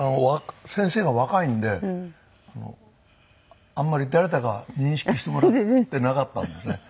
先生が若いんであんまり誰だか認識してもらってなかったんですね。